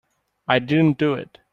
I didn't do it.